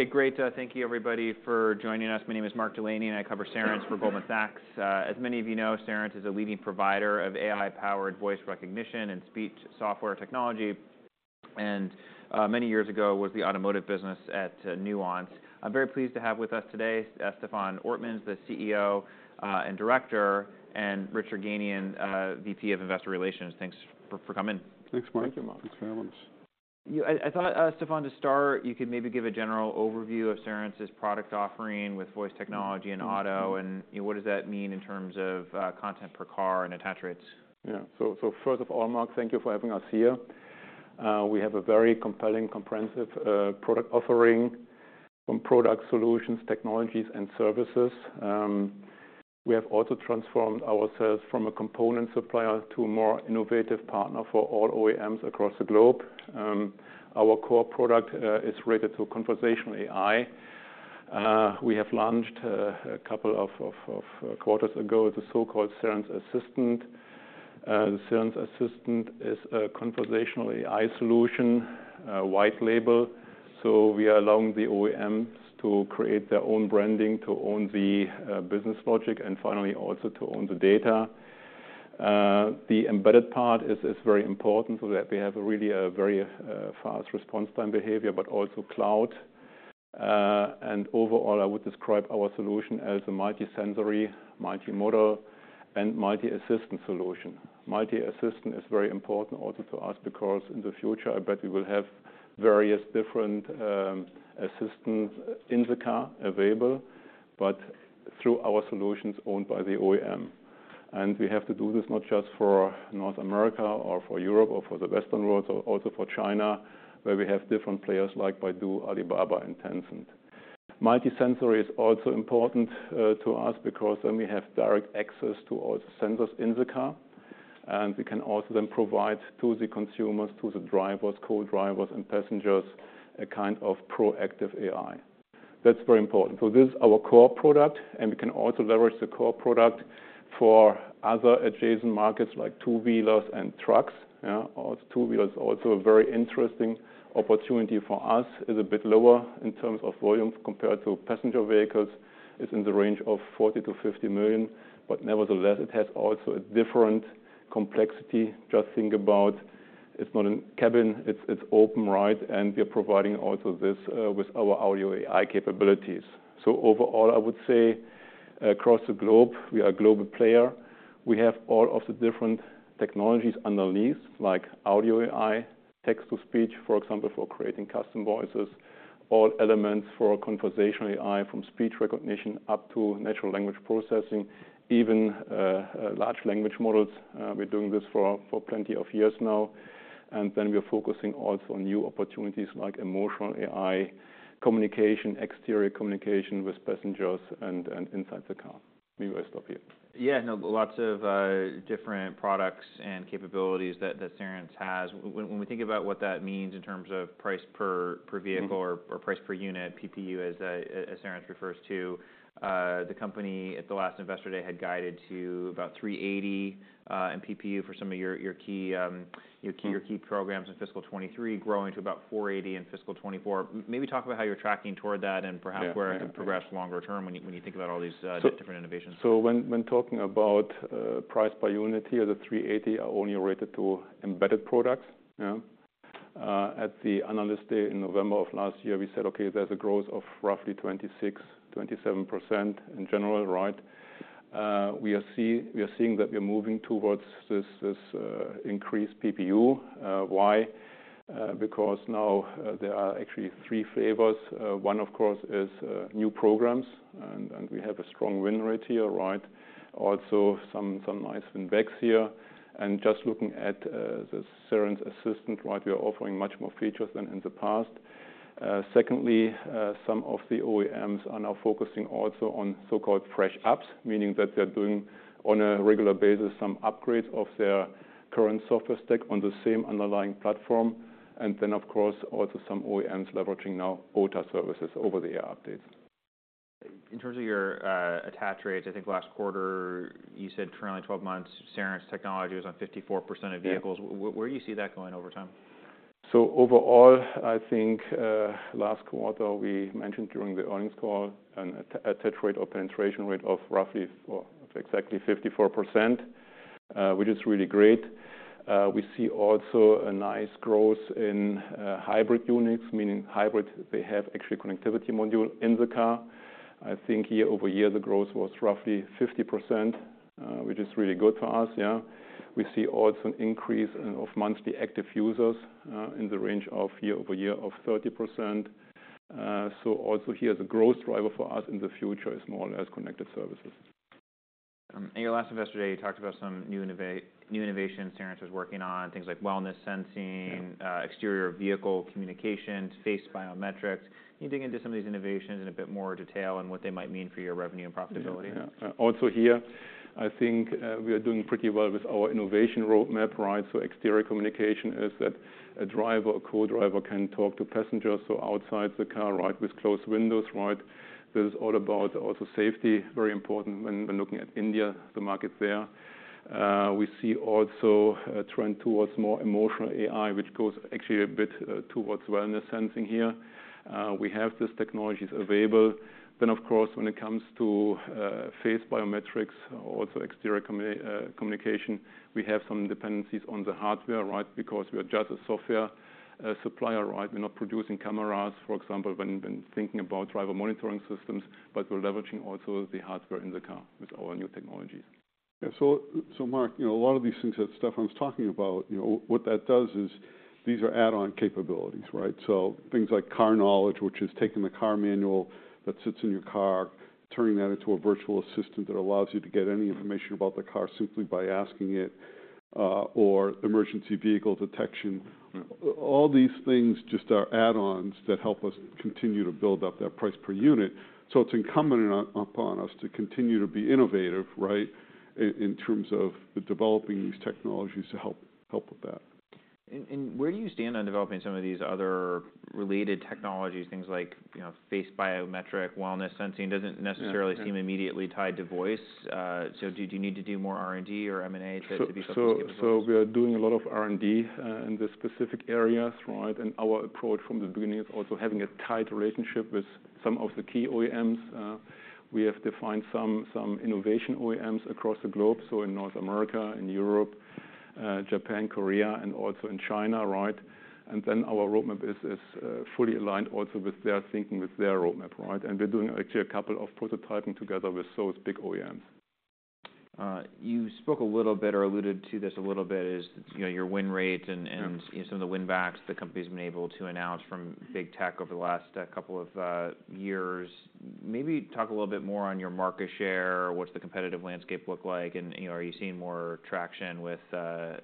Okay, great. Thank you everybody for joining us. My name is Mark Delaney, and I cover Cerence for Goldman Sachs. As many of you know, Cerence is a leading provider of AI-powered voice recognition and speech software technology, and, many years ago, was the automotive business at, Nuance. I'm very pleased to have with us today, Stefan Ortmanns, the CEO and director, and Richard Yerganian, VP of Investor Relations. Thanks for coming. Thanks, Mark. Thank you, Mark. Thanks for having us. I thought, Stefan, to start, you could maybe give a general overview of Cerence's product offering with voice technology and auto, and, you know, what does that mean in terms of content per car and attach rates? Yeah. So first of all, Mark, thank you for having us here. We have a very compelling, comprehensive product offering from product solutions, technologies, and services. We have also transformed ourselves from a component supplier to a more innovative partner for all OEMs across the globe. Our core product is related to conversational AI. We have launched a couple of quarters ago the so-called Cerence Assistant. The Cerence Assistant is a conversational AI solution white label, so we are allowing the OEMs to create their own branding, to own the business logic, and finally, also to own the data. The embedded part is very important, so that we have really a very fast response time behavior, but also cloud. And overall, I would describe our solution as a multi-sensory, multi-modal, and multi-assistant solution. Multi-assistant is very important also to us, because in the future, I bet we will have various different assistants in the car available, but through our solutions owned by the OEM. And we have to do this not just for North America, or for Europe, or for the Western world, but also for China, where we have different players like Baidu, Alibaba, and Tencent. Multi-sensory is also important to us, because then we have direct access to all the sensors in the car, and we can also then provide to the consumers, to the drivers, co-drivers, and passengers, a kind of proactive AI. That's very important. So this is our core product, and we can also leverage the core product for other adjacent markets, like two-wheelers and trucks. Yeah, two-wheelers are also a very interesting opportunity for us. It's a bit lower in terms of volume compared to passenger vehicles. It's in the range of 40-50 million, but nevertheless, it has also a different complexity. Just think about, it's not a cabin. It's open, right? And we are providing also this with our Audio AI capabilities. So overall, I would say across the globe, we are a global player. We have all of the different technologies underneath, like Audio AI, text-to-speech, for example, for creating custom voices, all elements for conversational AI, from speech recognition up to natural language processing, even large language models. We're doing this for plenty of years now, and then we are focusing also on new opportunities like emotional AI, communication, exterior communication with passengers and inside the car. Maybe I stop here. Yeah, no, lots of different products and capabilities that Cerence has. When we think about what that means in terms of price per vehicle- Mm-hmm... price per unit, PPU, as Cerence refers to, the company at the last Investor Day, had guided to about $3.80 in PPU for some of your key- Key... your key programs in fiscal 2023, growing to about $480 in fiscal 2024. Maybe talk about how you're tracking toward that- Yeah... and perhaps where it could progress longer term, when you, when you think about all these, different innovations. So when talking about price per unit here, the $3.80 are only related to Embedded products. Yeah. At the Analyst Day in November of last year, we said, okay, there's a growth of roughly 26%-27% in general, right? We are seeing that we are moving towards this increased PPU. Why? Because now there are actually three flavors. One, of course, is new programs, and we have a strong win rate here, right? Also some nice win-backs here. And just looking at the Cerence Assistant, right, we are offering much more features than in the past. Secondly, some of the OEMs are now focusing also on so-called Fresh Apps, meaning that they're doing, on a regular basis, some upgrades of their current software stack on the same underlying platform. And then, of course, also some OEMs leveraging now OTA services, over-the-air updates. In terms of your attach rates, I think last quarter, you said currently 12 months, Cerence technology was on 54% of vehicles. Yeah. Where do you see that going over time? So overall, I think last quarter, we mentioned during the earnings call an attach rate or penetration rate of roughly or exactly 54%, which is really great. We see also a nice growth in hybrid units, meaning hybrid, they have actual connectivity module in the car. I think year-over-year, the growth was roughly 50%, which is really good for us. Yeah. We see also an increase in monthly active users in the range of year-over-year of 30%. So also here, the growth driver for us in the future is more or less connected services. In your last Investor Day, you talked about some new innovations Cerence was working on, things like Wellness Sensing- Yeah... Exterior Vehicle Communications, face biometrics. Can you dig into some of these innovations in a bit more detail, and what they might mean for your revenue and profitability? Yeah. Also here, I think, we are doing pretty well with our innovation roadmap, right? So exterior communication is that a driver or co-driver can talk to passengers or outside the car, right, with closed windows, right? This is all about also safety. Very important when we're looking at India, the market there. We see also a trend towards more emotional AI, which goes actually a bit, towards wellness sensing here. We have these technologies available. Then, of course, when it comes to, face biometrics or also exterior communication, we have some dependencies on the hardware, right? Because we are just a software supplier, right? We're not producing cameras, for example, when thinking about driver monitoring systems, but we're leveraging also the hardware in the car with our new technologies. Yeah. So, Mark, you know, a lot of these things that Stefan was talking about, you know, what that does is these are add-on capabilities, right? So things like Car Knowledge, which is taking the car manual that sits in your car, turning that into a virtual assistant that allows you to get any information about the car simply by asking it, or Emergency Vehicle Detection. Mm. All these things just are add-ons that help us continue to build up that price per unit. So it's incumbent on, upon us to continue to be innovative, right, in terms of developing these technologies to help with that. And where do you stand on developing some of these other related technologies, things like, you know, face biometrics, wellness sensing, doesn't necessarily- Yeah... seem immediately tied to voice. So do you need to do more R&D or M&A to do something? We are doing a lot of R&D in the specific areas, right? Our approach from the beginning is also having a tight relationship with some of the key OEMs. We have defined some innovation OEMs across the globe, so in North America, in Europe, Japan, Korea, and also in China, right? Our roadmap is fully aligned also with their thinking, with their roadmap, right? We're doing actually a couple of prototyping together with those big OEMs. You spoke a little bit or alluded to this a little bit, you know, your win rates and- Yeah - and some of the win backs the company's been able to announce from big tech over the last couple of years. Maybe talk a little bit more on your market share or what's the competitive landscape look like, and, you know, are you seeing more traction with the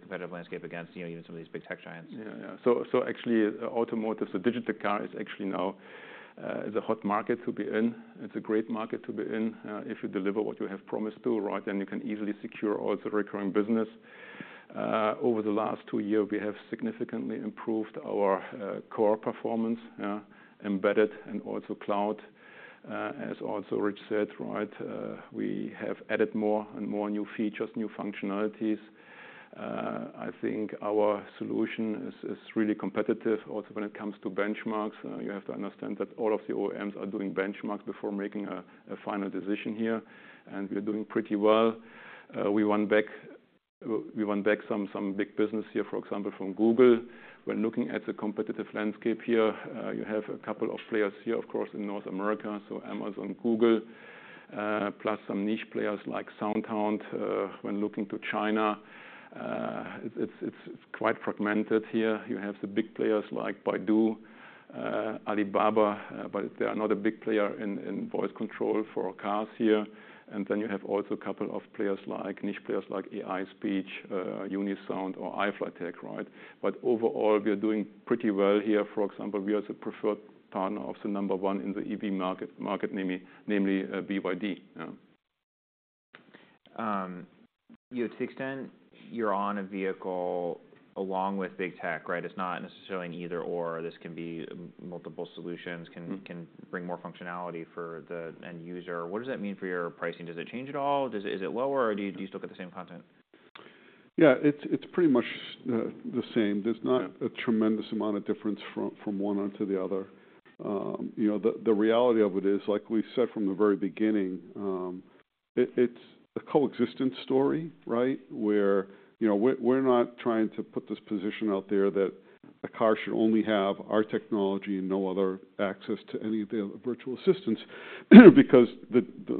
competitive landscape against, you know, even some of these big tech giants? Yeah. Yeah. So actually, automotive, so digital car is actually now is a hot market to be in. It's a great market to be in. If you deliver what you have promised to, right, then you can easily secure all the recurring business. Over the last two years, we have significantly improved our core performance, yeah, embedded and also cloud. As also Rich said, right, we have added more and more new features, new functionalities. I think our solution is really competitive also when it comes to benchmarks. You have to understand that all of the OEMs are doing benchmarks before making a final decision here, and we are doing pretty well. We won back some big business here, for example, from Google. We're looking at the competitive landscape here. You have a couple of players here, of course, in North America, so Amazon, Google, plus some niche players like SoundHound. When looking to China, it's quite fragmented here. You have the big players like Baidu, Alibaba, but they are not a big player in voice control for cars here. And then you have also a couple of players, like niche players like iFLYTEK, Unisound or iFLYTEK, right? But overall, we are doing pretty well here. For example, we are the preferred partner of the number one in the EV market, namely, BYD. Yeah. You know, to the extent you're on a vehicle along with big tech, right? It's not necessarily an either/or. This can be multiple solutions- Mm-hmm... can bring more functionality for the end user. What does that mean for your pricing? Does it change at all? Is it lower, or do you still get the same content? Yeah, it's pretty much the same. Yeah. There's not a tremendous amount of difference from one onto the other. You know, the reality of it is, like we said from the very beginning, it's a coexistence story, right? Where, you know, we're not trying to put this position out there that a car should only have our technology and no other access to any of the other virtual assistants, because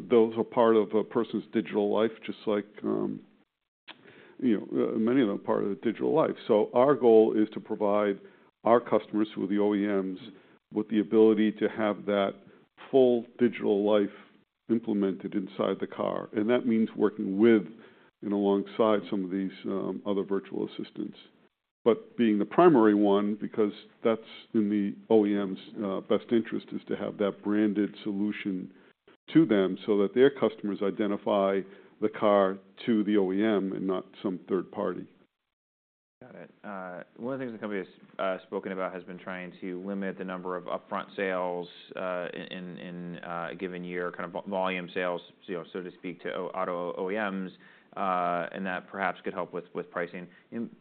those are part of a person's digital life, just like, you know, many of them are part of the digital life. So our goal is to provide our customers, who are the OEMs, with the ability to have that full digital life implemented inside the car, and that means working with and alongside some of these other virtual assistants. But being the primary one, because that's in the OEM's best interest, is to have that branded solution to them so that their customers identify the car to the OEM and not some third party. Got it. One of the things the company has spoken about has been trying to limit the number of upfront sales in a given year, kind of volume sales, you know, so to speak, to auto OEMs, and that perhaps could help with pricing.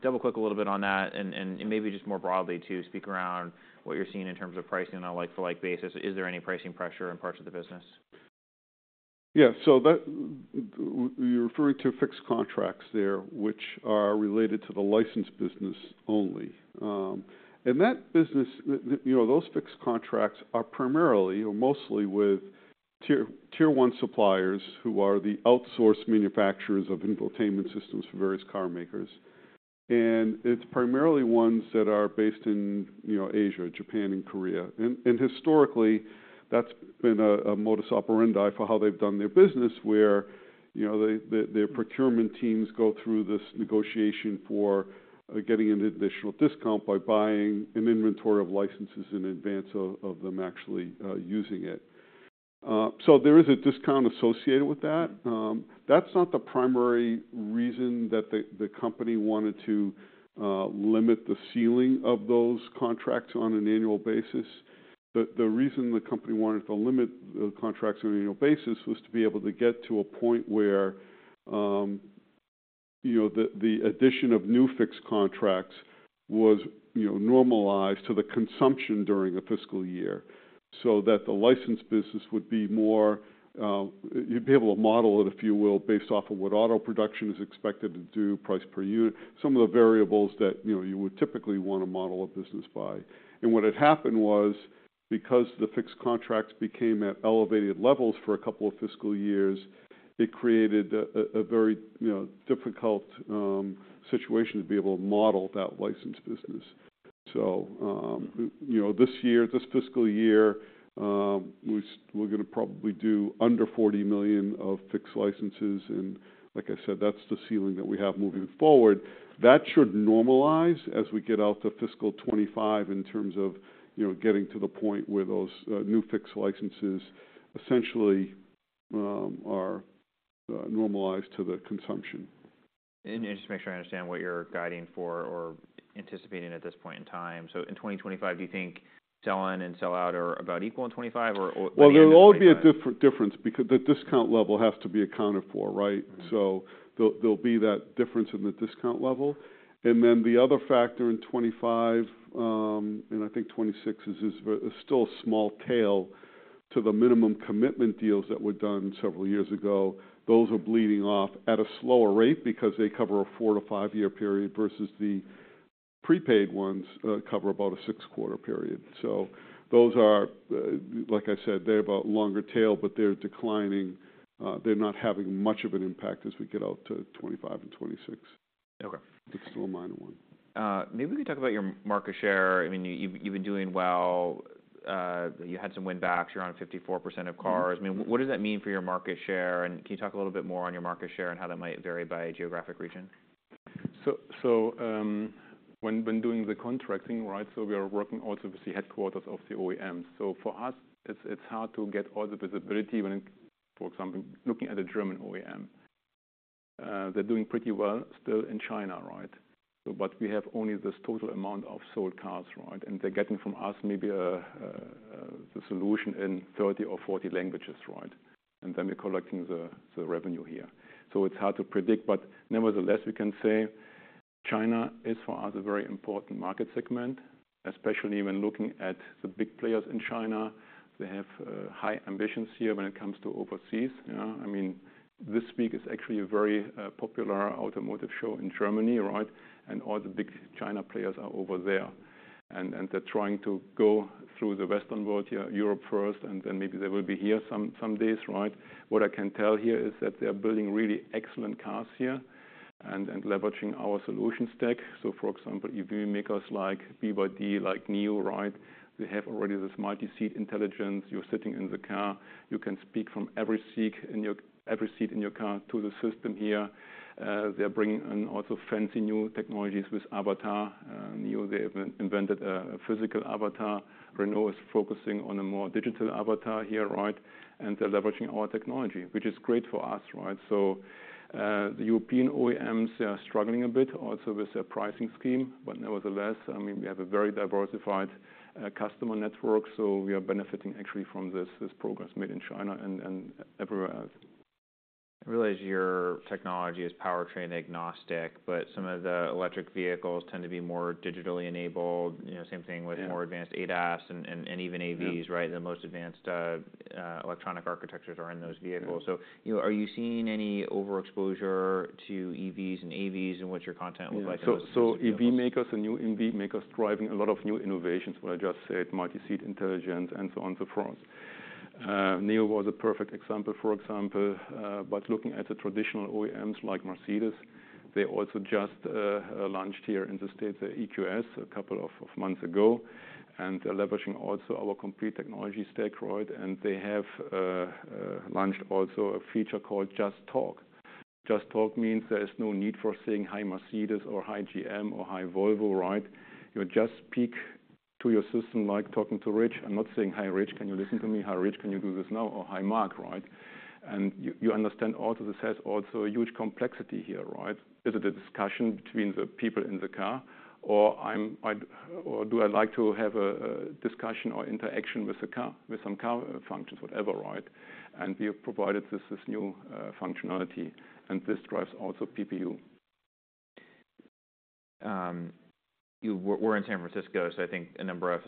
Double-click a little bit on that and maybe just more broadly to speak around what you're seeing in terms of pricing on a like-for-like basis. Is there any pricing pressure in parts of the business? Yeah. So that... we're referring to fixed contracts there, which are related to the license business only. And that business, you know, those fixed contracts are primarily or mostly with Tier 1 suppliers who are the outsourced manufacturers of infotainment systems for various carmakers. And it's primarily ones that are based in, you know, Asia, Japan, and Korea. And historically, that's been a modus operandi for how they've done their business, where, you know, their procurement teams go through this negotiation for getting an additional discount by buying an inventory of licenses in advance of them actually using it. So there is a discount associated with that. That's not the primary reason-... reason that the company wanted to limit the ceiling of those contracts on an annual basis. The reason the company wanted to limit the contracts on an annual basis was to be able to get to a point where, you know, the addition of new fixed contracts was, you know, normalized to the consumption during the fiscal year, so that the license business would be more, you'd be able to model it, if you will, based off of what auto production is expected to do, price per unit, some of the variables that, you know, you would typically want to model a business by. And what had happened was, because the fixed contracts became at elevated levels for a couple of fiscal years, it created a very, you know, difficult situation to be able to model that license business. So, you know, this year, this fiscal year, we're gonna probably do under $40 million of fixed licenses, and like I said, that's the ceiling that we have moving forward. That should normalize as we get out to fiscal 2025 in terms of, you know, getting to the point where those new fixed licenses essentially are normalized to the consumption. Just to make sure I understand what you're guiding for or anticipating at this point in time. In 2025, do you think sell-in and sell-out are about equal in 2025, or, or at the end of 2025? Well, there will always be a difference because the discount level has to be accounted for, right? Mm-hmm. So there'll be that difference in the discount level. And then the other factor in 2025, and I think 2026, is still a small tail to the minimum commitment deals that were done several years ago. Those are bleeding off at a slower rate because they cover a 4-5-year period versus the prepaid ones cover about a 6-quarter period. So those are, like I said, they're about longer tail, but they're declining... they're not having much of an impact as we get out to 2025 and 2026. Okay. It's still a minor one. Maybe we can talk about your market share. I mean, you've been doing well. You had some win backs. You're on 54% of cars. Mm-hmm. I mean, what does that mean for your market share? Can you talk a little bit more on your market share and how that might vary by geographic region? So when doing the contracting, right, so we are working also with the headquarters of the OEM. So for us, it's hard to get all the visibility, for example, looking at the German OEM, they're doing pretty well still in China, right? But we have only this total amount of sold cars, right? And they're getting from us maybe a solution in 30 or 40 languages, right? And then we're collecting the revenue here. So it's hard to predict, but nevertheless, we can say China is for us a very important market segment, especially when looking at the big players in China. They have high ambitions here when it comes to overseas. Yeah, I mean, this week is actually a very popular automotive show in Germany, right? All the big China players are over there, and they're trying to go through the Western world, yeah, Europe first, and then maybe they will be here some days, right? What I can tell here is that they are building really excellent cars here and leveraging our solution stack. So for example, EV makers like BYD, like NIO, right? They have already this multi-SEAT intelligence. You're sitting in the car, you can speak from every SEAT in your car to the system here. They're bringing in also fancy new technologies with avatar. NIO, they have invented a physical avatar. Renault is focusing on a more digital avatar here, right? And they're leveraging our technology, which is great for us, right? So, the European OEMs, they are struggling a bit also with their pricing scheme, but nevertheless, I mean, we have a very diversified customer network, so we are benefiting actually from this progress made in China and everywhere else. I realize your technology is powertrain agnostic, but some of the electric vehicles tend to be more digitally enabled. You know, same thing- Yeah... with more advanced ADAS and even AVs, right? Yeah. The most advanced electronic architectures are in those vehicles. Yeah. So, you know, are you seeing any overexposure to EVs and AVs, and what's your content look like on those vehicles? So, EV makers and new EV makers driving a lot of new innovations, what I just said, multi-SEAT intelligence and so on, so forth. NIO was a perfect example, for example, but looking at the traditional OEMs like Mercedes, they also just launched here in the States, the EQS, a couple of months ago, and they're leveraging also our complete technology stack, right? And they have launched also a feature called Just Talk. Just Talk means there is no need for saying, "Hi, Mercedes," or, "Hi, GM," or, "Hi, Volvo," right? You just speak to your system like talking to Rich. I'm not saying: Hi, Rich, can you listen to me? Hi, Rich, can you do this now? Or, "Hi, Mark," right? And you understand also this has also a huge complexity here, right? Is it a discussion between the people in the car or do I like to have a discussion or interaction with the car, with some car functions, whatever, right? We have provided this new functionality, and this drives also PPU. We're in San Francisco, so I think a number of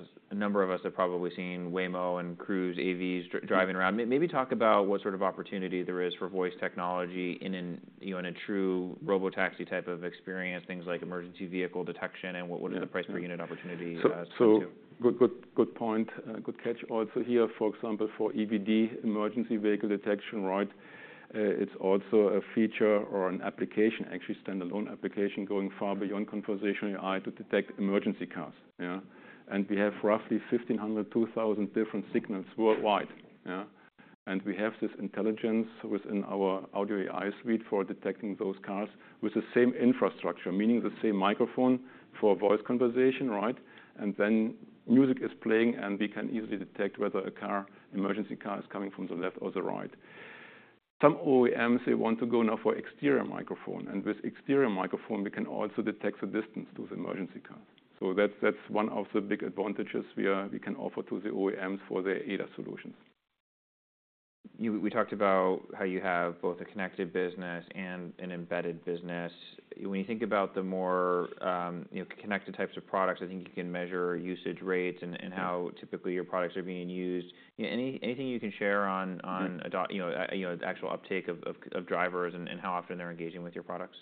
us have probably seen Waymo and Cruise AVs driving around. Mm-hmm. Maybe talk about what sort of opportunity there is for voice technology in a true robotaxi type of experience, things like Emergency Vehicle Detection, and what are the price per unit opportunity there too? So, so good, good, good point. Good catch. Also here, for example, for EVD, emergency vehicle detection, right? It's also a feature or an application, actually standalone application, going far beyond conversational AI to detect emergency cars. Yeah. And we have roughly 1,500-2,000 different signals worldwide. Yeah. And we have this intelligence within our Audio AI suite for detecting those cars with the same infrastructure, meaning the same microphone for voice conversation, right? And then music is playing, and we can easily detect whether a car, emergency car, is coming from the left or the right. Some OEMs, they want to go now for exterior microphone, and with exterior microphone, we can also detect the distance to the emergency car. So that's, that's one of the big advantages we can offer to the OEMs for their ADAS solutions. We talked about how you have both a connected business and an embedded business. When you think about the more, you know, connected types of products, I think you can measure usage rates and how typically your products are being used. Yeah, anything you can share on, you know, the actual uptake of drivers and how often they're engaging with your products?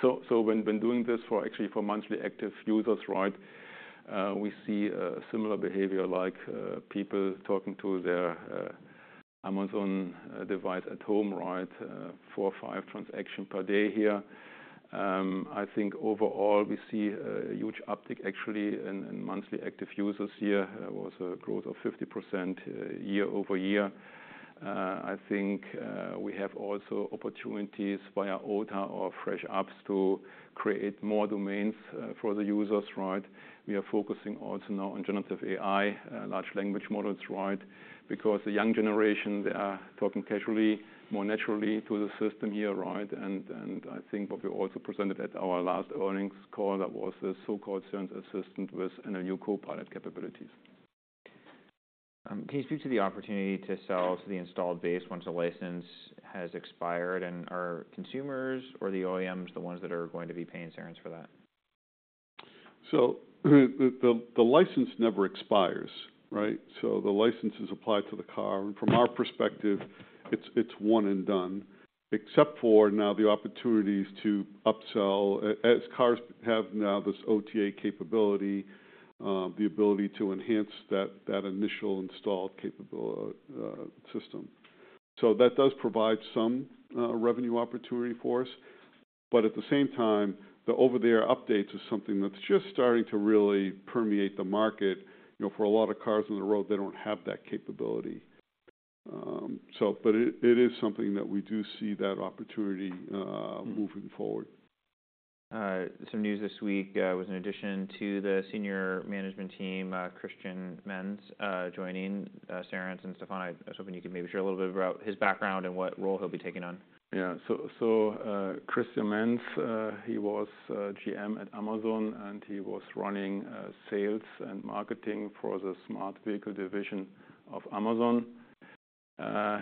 So when doing this actually for monthly active users, right, we see a similar behavior, like, people talking to their Amazon device at home, right? Four or five transaction per day here. I think overall, we see a huge uptick, actually, in monthly active users here. There was a growth of 50%, year-over-year. I think we have also opportunities via OTA or Fresh Apps to create more domains for the users, right? We are focusing also now on generative AI, large language models, right? Because the young generation, they are talking casually, more naturally to the system here, right? And I think what we also presented at our last earnings call, that was the so-called Cerence Assistant with NLU copilot capabilities. Can you speak to the opportunity to sell to the installed base once a license has expired? And are consumers or the OEMs, the ones that are going to be paying Cerence for that? So the license never expires, right? So the license is applied to the car, and from our perspective, it's one and done, except for now the opportunities to upsell as cars have now this OTA capability, the ability to enhance that initial installed capable system. So that does provide some revenue opportunity for us. But at the same time, the over-the-air updates is something that's just starting to really permeate the market. You know, for a lot of cars on the road, they don't have that capability. But it is something that we do see that opportunity moving forward. Some news this week was an addition to the senior management team, Christian Mentz joining Cerence. And Stefan, I was hoping you could maybe share a little bit about his background and what role he'll be taking on. Yeah. So, Christian Mentz, he was GM at Amazon, and he was running sales and marketing for the smart vehicle division of Amazon.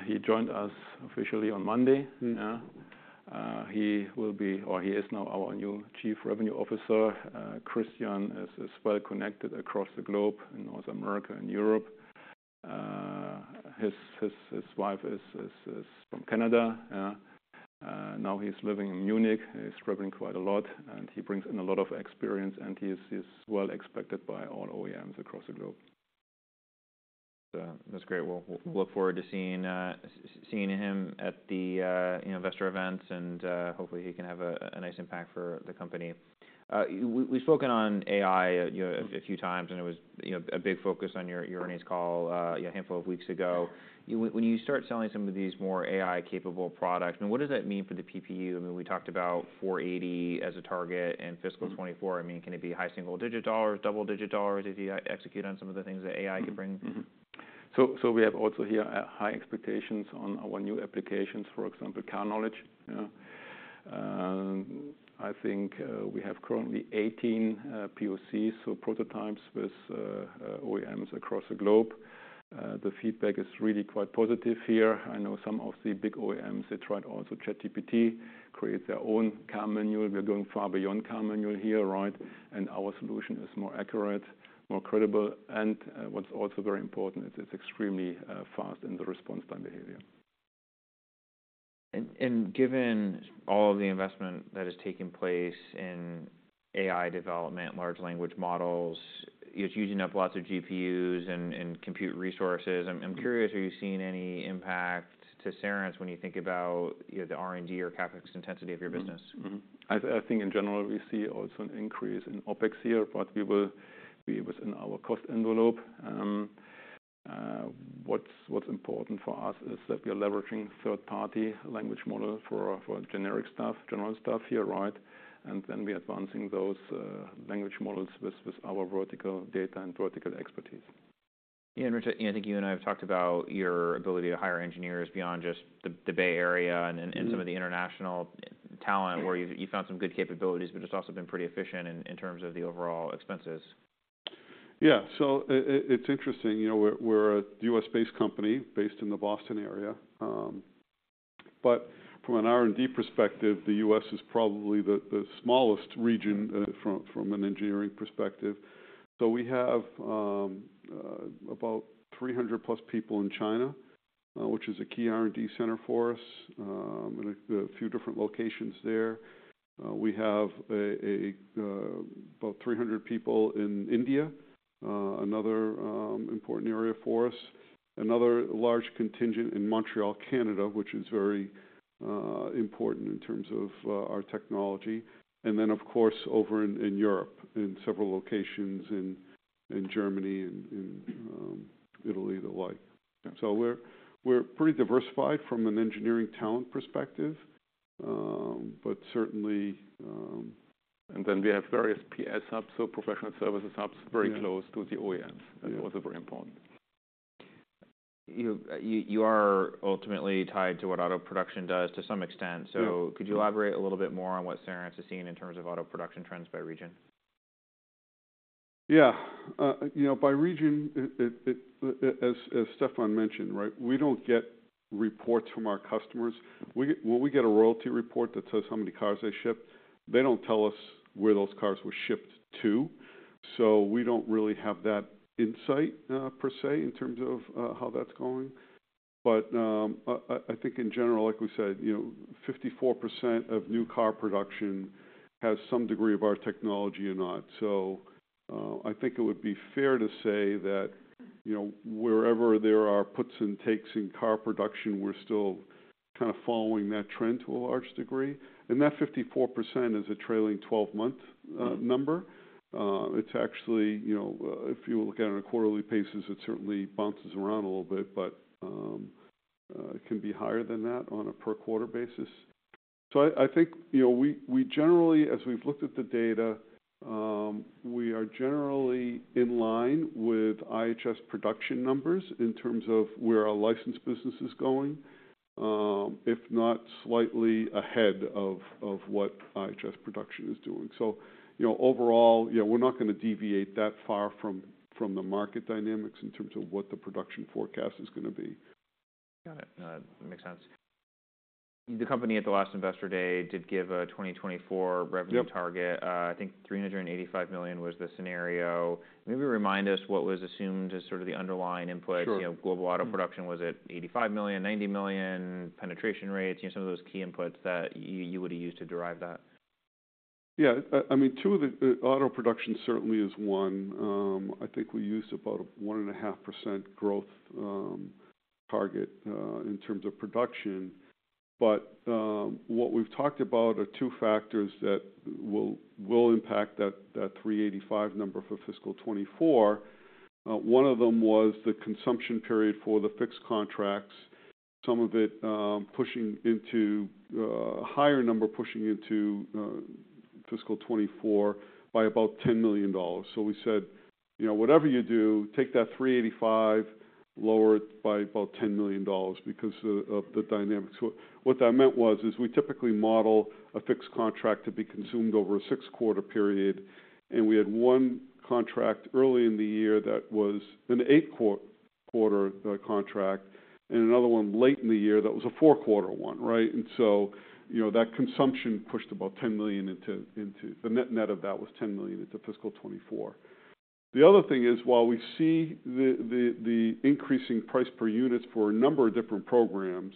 He joined us officially on Monday. Mm-hmm. Yeah. He will be or he is now our new Chief Revenue Officer. Christian is well connected across the globe, in North America and Europe. His wife is from Canada, now he's living in Munich. He's traveling quite a lot, and he brings in a lot of experience, and he is well expected by all OEMs across the globe. That's great. Well, we'll look forward to seeing him at the, you know, investor events and hopefully, he can have a nice impact for the company. We've spoken on AI, you know, a few times, and it was, you know, a big focus on your earnings call a handful of weeks ago. When you start selling some of these more AI-capable products, I mean, what does that mean for the PPU? I mean, we talked about $4.80 as a target in fiscal 2024. Mm-hmm. I mean, can it be high single-digit dollars, double-digit dollars as you execute on some of the things that AI can bring? So we have also here high expectations on our new applications, for example, Car Knowledge. Yeah. I think we have currently 18 POC, so prototypes with OEMs across the globe. The feedback is really quite positive here. I know some of the big OEMs, they tried also ChatGPT, create their own car manual. We are going far beyond car manual here, right? And our solution is more accurate, more credible, and what's also very important is it's extremely fast in the response time behavior. Given all the investment that is taking place in AI development, large language models, it's using up lots of GPUs and compute resources. Mm-hmm. I'm curious, are you seeing any impact to Cerence when you think about, you know, the R&D or CapEx intensity of your business? I think in general, we see also an increase in OpEx here, but we will be within our cost envelope. What's important for us is that we are leveraging third-party language model for generic stuff, general stuff here, right? And then we are advancing those language models with our vertical data and vertical expertise. Yeah, and I think you and I have talked about your ability to hire engineers beyond just the Bay Area- Mm-hmm... and some of the international talent, where you found some good capabilities, but it's also been pretty efficient in terms of the overall expenses. Yeah. So it's interesting, you know, we're a U.S.-based company, based in the Boston area. But from an R&D perspective, the U.S. is probably the smallest region from an engineering perspective. So we have about 300+ people in China, which is a key R&D center for us, and a few different locations there. We have about 300 people in India, another important area for us. Another large contingent in Montreal, Canada, which is very important in terms of our technology, and then, of course, over in Europe, in several locations in Germany and in Italy, the like. Yeah. So we're pretty diversified from an engineering talent perspective, but certainly, and then we have various PS hubs, so professional services hubs- Yeah. very close to the OEM. Yeah. That's also very important. You are ultimately tied to what auto production does to some extent. Yeah. Could you elaborate a little bit more on what Cerence is seeing in terms of auto production trends by region? Yeah. You know, by region, as Stefan mentioned, right? We don't get reports from our customers. When we get a royalty report that says how many cars they ship, they don't tell us where those cars were shipped to, so we don't really have that insight, per se, in terms of how that's going. But I think in general, like we said, you know, 54% of new car production has some degree of our technology or not. So I think it would be fair to say that, you know, wherever there are puts and takes in car production, we're still kind of following that trend to a large degree. And that 54% is a trailing twelve-month. Mm-hmm... number. It's actually, you know, if you look at it on a quarterly basis, it certainly bounces around a little bit, but it can be higher than that on a per quarter basis. So I think, you know, we generally, as we've looked at the data, we are generally in line with IHS production numbers in terms of where our license business is going, if not slightly ahead of what IHS production is doing. So, you know, overall, yeah, we're not gonna deviate that far from the market dynamics in terms of what the production forecast is gonna be. Got it. Makes sense. The company, at the last Investor Day, did give a 2024 revenue- Yep... target. I think $385 million was the scenario. Maybe remind us what was assumed as sort of the underlying input. Sure. You know, global auto production, was it 85 million, 90 million? Penetration rates, you know, some of those key inputs that you would've used to derive that. Yeah, I mean, two of the—the auto production certainly is one. I think we used about a 1.5% growth target in terms of production. But, what we've talked about are two factors that will impact that $385 number for fiscal 2024. One of them was the consumption period for the fixed contracts, some of it pushing into a higher number, pushing into fiscal 2024 by about $10 million. So we said, "You know, whatever you do, take that $385 million, lower it by about $10 million because of the dynamics." So what that meant was, we typically model a fixed contract to be consumed over a six-quarter period, and we had one contract early in the year that was an eight-quarter contract, and another one late in the year that was a four-quarter one, right? And so, you know, that consumption pushed about $10 million into the net; net of that was $10 million into fiscal 2024. The other thing is, while we see the increasing price per units for a number of different programs,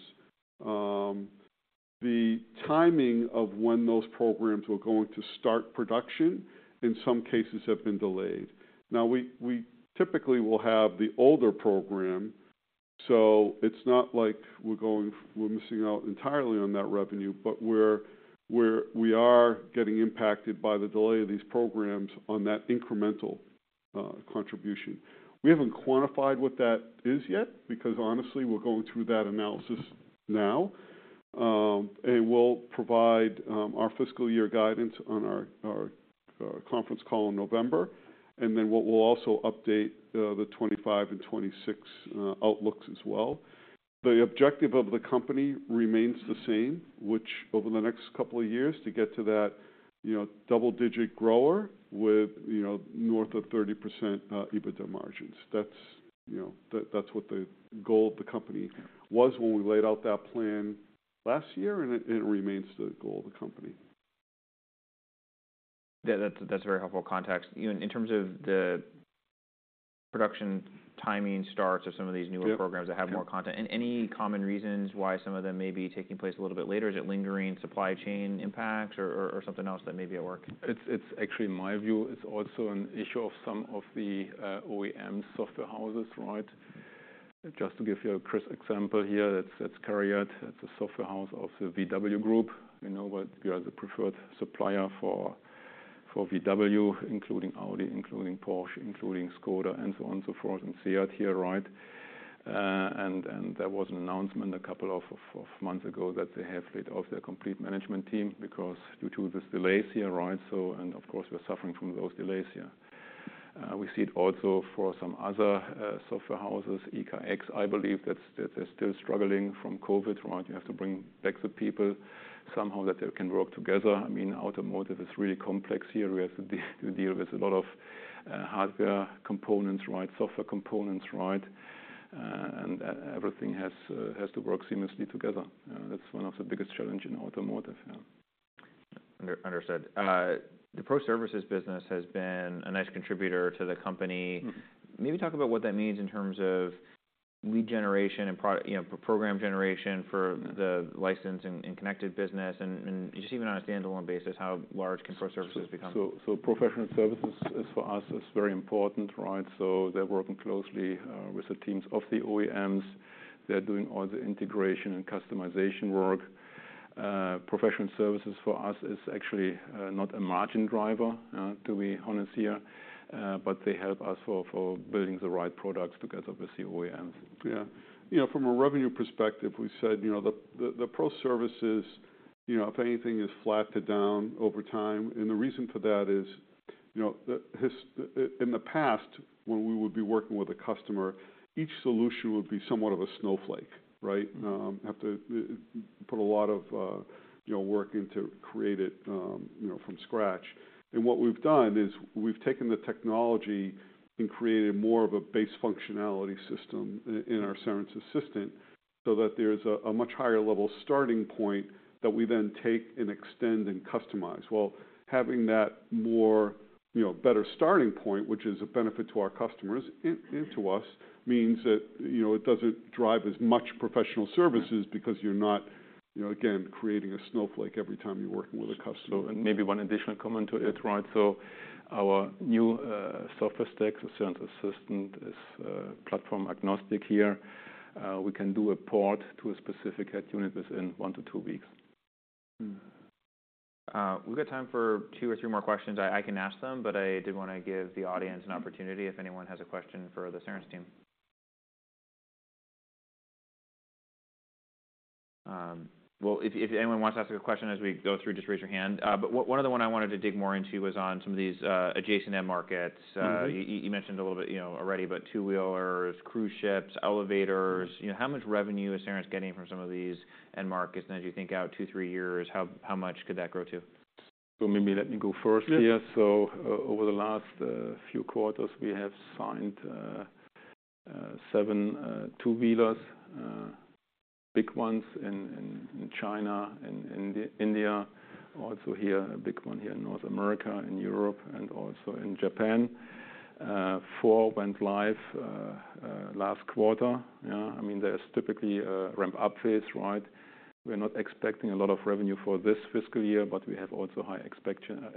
the timing of when those programs were going to start production, in some cases, have been delayed. Now, we typically will have the older program, so it's not like we're going—we're missing out entirely on that revenue, but we're—we are getting impacted by the delay of these programs on that incremental contribution. We haven't quantified what that is yet because, honestly, we're going through that analysis now. And we'll provide our fiscal year guidance on our conference call in November, and then what we'll also update the 2025 and 2026 outlooks as well. The objective of the company remains the same, which over the next couple of years, to get to that, you know, double-digit grower with, you know, north of 30% EBITDA margins. That's, you know, that's what the goal of the company was when we laid out that plan last year, and it remains the goal of the company. Yeah, that's very helpful context. You know, in terms of the production timing starts of some of these newer- Yeah... programs that have more content. Yeah. Any common reasons why some of them may be taking place a little bit later? Is it lingering supply chain impacts or, or, or something else that may be at work? It's actually, my view, it's also an issue of some of the OEM software houses, right? Just to give you a crisp example here, that's CARIAD. That's a software house of the VW Group. We know that we are the preferred supplier for VW, including Audi, including Porsche, including Skoda, and so on, so forth, and SEAT here, right? And there was an announcement a couple of months ago that they have laid off their complete management team because due to this delays here, right? So and, of course, we're suffering from those delays here. We see it also for some other software houses, QNX, I believe, that's that they're still struggling from COVID, right? You have to bring back the people somehow that they can work together. I mean, automotive is really complex here. We have to deal with a lot of hardware components, right? Software components, right? And everything has to work seamlessly together. That's one of the biggest challenge in automotive. Yeah. Understood. The pro services business has been a nice contributor to the company. Mm-hmm. Maybe talk about what that means in terms of lead generation and product, you know, program generation for the license and connected business, and just even on a standalone basis, how large can pro services become? Professional services is, for us, is very important, right? They're working closely with the teams of the OEMs. They're doing all the integration and customization work. Professional services for us is actually not a margin driver, to be honest here. But they help us for building the right products together with the OEMs. Yeah. You know, from a revenue perspective, we said, you know, the pro services, you know, if anything, is flat to down over time. And the reason for that is. You know, historically in the past, when we would be working with a customer, each solution would be somewhat of a snowflake, right? Have to you know, work into create it you know, from scratch. And what we've done is we've taken the technology and created more of a base functionality system in our Cerence Assistant, so that there's a much higher level starting point that we then take and extend and customize. Well, having that more, you know, better starting point, which is a benefit to our customers and to us, means that, you know, it doesn't drive as much professional services because you're not, you know, again, creating a snowflake every time you're working with a customer. So and maybe one additional comment to it, right? So our new software stack, Cerence Assistant, is platform agnostic here. We can do a port to a specific head unit within 1-2 weeks. We've got time for two or three more questions. I can ask them, but I did want to give the audience an opportunity if anyone has a question for the Cerence team. Well, if anyone wants to ask a question as we go through, just raise your hand. But one other one I wanted to dig more into was on some of these adjacent end markets. Mm-hmm. You mentioned a little bit, you know, already, about two-wheelers, cruise ships, elevators. You know, how much revenue is Cerence getting from some of these end markets? And as you think out two, three years, how much could that grow to? Maybe let me go first here. Yeah. So over the last few quarters, we have signed 7 two-wheelers, big ones in China and India, also here, a big one here in North America, in Europe, and also in Japan. Four went live last quarter. Yeah, I mean, there is typically a ramp-up phase, right? We're not expecting a lot of revenue for this fiscal year, but we have also high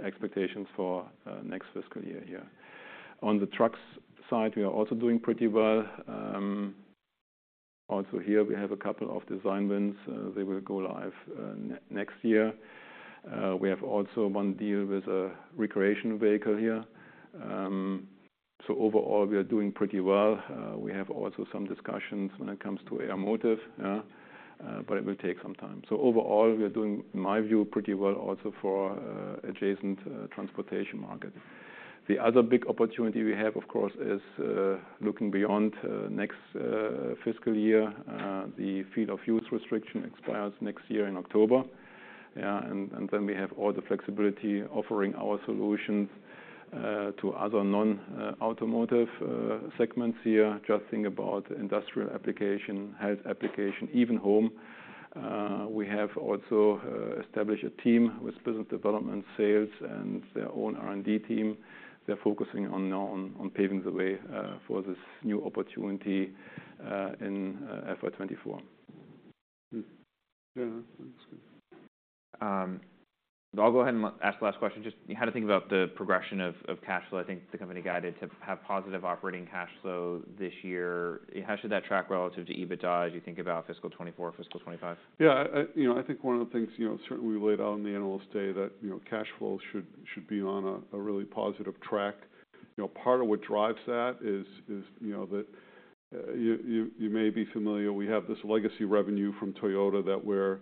expectations for next fiscal year here. On the trucks side, we are also doing pretty well. Also here, we have a couple of design wins. They will go live next year. We have also 1 deal with a recreational vehicle here. So overall, we are doing pretty well. We have also some discussions when it comes to automotive, but it will take some time. So overall, we are doing, in my view, pretty well also for adjacent transportation market. The other big opportunity we have, of course, is looking beyond next fiscal year. The field of use restriction expires next year in October, and then we have all the flexibility, offering our solutions to other non-automotive segments here. Just think about industrial application, health application, even home. We have also established a team with business development sales and their own R&D team. They're focusing now on paving the way for this new opportunity in FY 2024. Mm. Yeah, that's good. I'll go ahead and ask the last question. Just how to think about the progression of, of cash flow. I think the company guided to have positive operating cash flow this year. How should that track relative to EBITDA as you think about fiscal 2024, fiscal 2025? Yeah, you know, I think one of the things, you know, certainly we laid out in the Analyst Day, that, you know, cash flow should be on a really positive track. You know, part of what drives that is, you know, that you may be familiar, we have this legacy revenue from Toyota that we're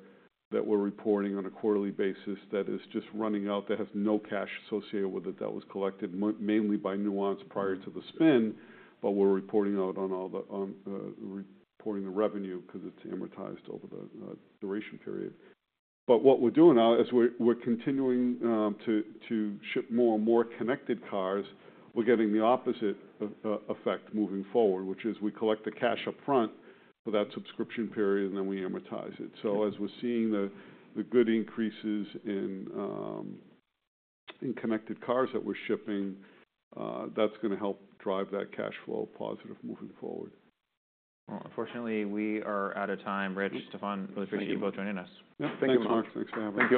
reporting on a quarterly basis, that is just running out, that has no cash associated with it. That was collected mainly by Nuance prior to the spin, but we're reporting out on all the reporting the revenue 'cause it's amortized over the duration period. But what we're doing now is we're continuing to ship more and more connected cars. We're getting the opposite effect moving forward, which is we collect the cash up front for that subscription period, and then we amortize it. So as we're seeing the good increases in connected cars that we're shipping, that's gonna help drive that cash flow positive moving forward. Well, unfortunately, we are out of time. Rich, Stefan- Thank you... really appreciate you both joining us. Yep. Thanks a lot. Thanks, Mark. Thanks for having me.